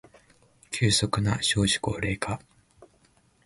急速な少子高齢化